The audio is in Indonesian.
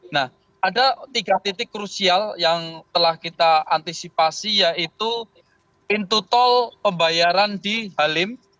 nah ada tiga titik krusial yang telah kita antisipasi yaitu pintu tol pembayaran di halim